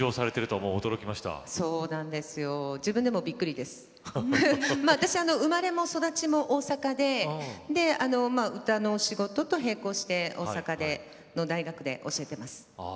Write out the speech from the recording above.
私は生まれも育ちも大阪で歌の仕事と並行して大阪の大学で教えています。